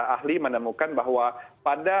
ahli menemukan bahwa pada